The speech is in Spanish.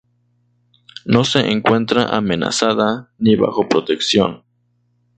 No se encuentra amenazada ni bajo protección.